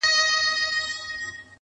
• سره غوښه او چاړه سوه -